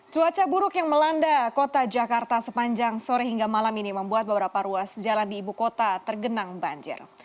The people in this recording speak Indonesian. cuaca buruk yang melanda kota jakarta sepanjang sore hingga malam ini membuat beberapa ruas jalan di ibu kota tergenang banjir